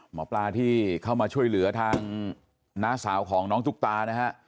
หมอปลาที่เข้ามาช่วยเหลือทางน้าสาวของน้องตุ๊กตานะฮะ